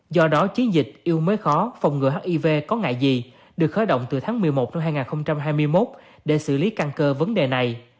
do đó chiến dịch yêu mới khó phòng ngừa hiv có ngại gì được khởi động từ tháng một mươi một năm hai nghìn hai mươi một để xử lý căng cơ vấn đề này